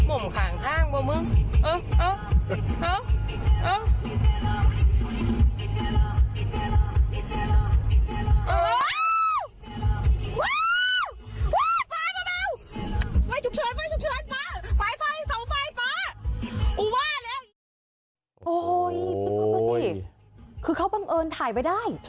โอ้ยเป็นประสิทธิ์คือเขาบังเอิญถ่ายไว้ได้